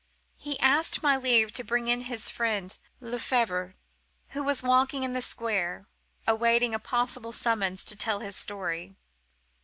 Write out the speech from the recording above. He asked my leave to bring in his friend Le Febvre, who was walking in the square, awaiting a possible summons to tell his story.